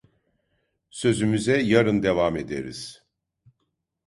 Sözümüze yarın devam ederiz…